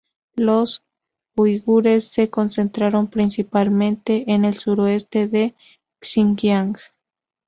Los uigures se concentran principalmente en el suroeste de Xinjiang..